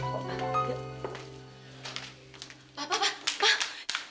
pak pak pak